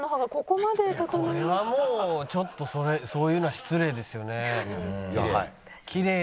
これはもうちょっとそういうのは失礼ですよね。